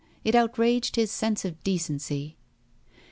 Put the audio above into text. It outraged his sense of decency.